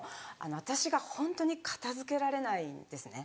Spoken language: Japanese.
私がホントに片付けられないんですね。